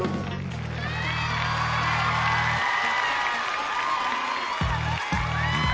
อย่าเข้ามานะ